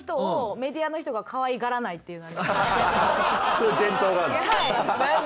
そういう伝統があるの？